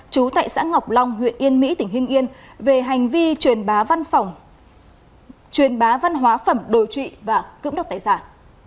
chú tại xã ngọc long huyện yên mỹ tỉnh hưng yên về hành vi truyền bá văn phòng truyền bá văn hóa phẩm đồi trụy và cưỡng đọc tài sản